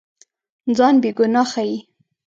ځان بېګناه ښيي.